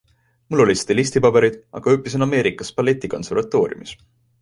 Mul olid stilistipaberid, aga õppisin Ameerikas balletikonservatooriumis.